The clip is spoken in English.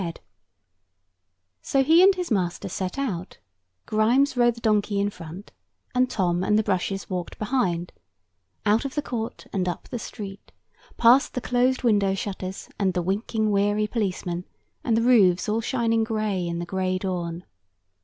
[Picture: Grimes and Tom] So he and his master set out; Grimes rode the donkey in front, and Tom and the brushes walked behind; out of the court, and up the street, past the closed window shutters, and the winking weary policemen, and the roofs all shining gray in the gray dawn.